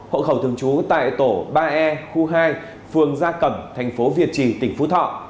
hộ khẩu thường trú tại tổ ba e khu hai phường gia cẩm thành phố việt trì tỉnh phú thọ